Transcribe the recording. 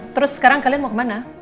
terus sekarang kalian mau ke mana